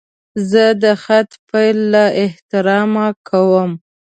زه د خط پیل له احترامه کوم.